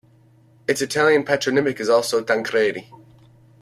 Its Italian patronymic is also Tancredi.